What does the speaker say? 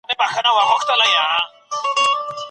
حلال کار د اقتصاد د پیاوړتیا سبب ګرځي.